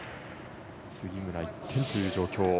杉村、１点という状況。